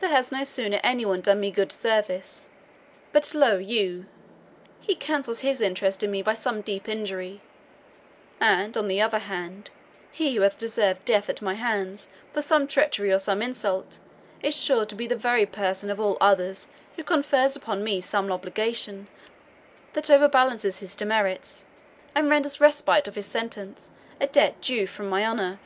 There has no sooner any one done me good service, but, lo you, he cancels his interest in me by some deep injury; and, on the other hand, he who hath deserved death at my hands for some treachery or some insult, is sure to be the very person of all others who confers upon me some obligation that overbalances his demerits, and renders respite of his sentence a debt due from my honour.